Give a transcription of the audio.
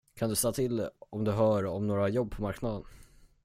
Kan du säga till om du hör om några jobb på marknaden?